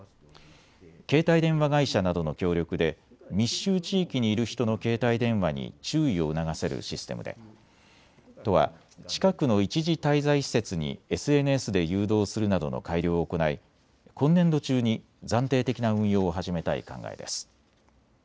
携帯電話会社などの協力で密集地域にいる人の携帯電話に注意を促せるシステムで都は、近くの一時滞在施設にＳＮＳで誘導するなどの改良を行い、今年度中に暫定的な運用を始めたい考えです。